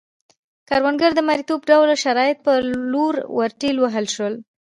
کروندګر د مریتوب ډوله شرایطو په لور ورټېل وهل شول.